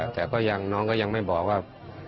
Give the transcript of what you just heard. แต่ยังไม่บอกว่า